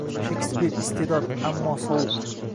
Shekspir — iste’dod, ammo sovuq.